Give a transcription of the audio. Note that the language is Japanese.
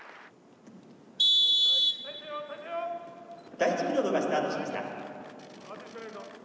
「第１ピリオドがスタートしました」。